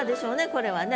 これはね。